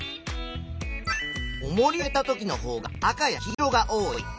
おもりを持ち上げたときのほうが赤や黄色が多い。